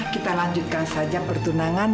kita lanjutkan saja pertunangan